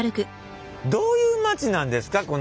どういう街なんですか？